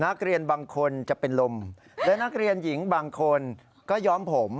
นักเรียนบางคนจะเป็นลมและนักเรียนหญิงบางคนก็ย้อมผม